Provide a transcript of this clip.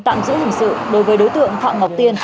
tạm giữ hình sự đối với đối tượng phạm ngọc tiên